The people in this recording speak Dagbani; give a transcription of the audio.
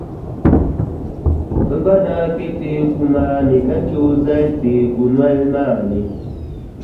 Bɛ gba daa kpe teeku maa ni ka che o zali teeku noli maa ni.